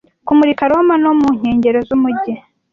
kumurika roma no mu nkengero z'umujyi